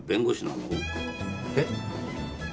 えっ？